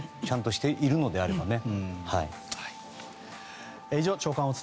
ちゃんとしているのであれば。